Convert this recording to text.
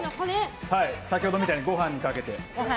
先ほどみたいにご飯にかけて。